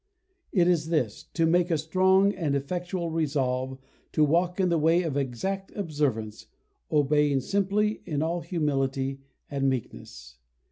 It is this, to make a strong and effectual resolve to walk in the way of exact observance, obeying simply, in all humility and meekness.